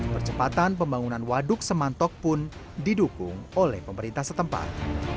percepatan pembangunan waduk semantok pun didukung oleh pemerintah setempat